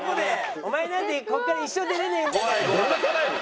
お前なんてここから一生出れねえんだから。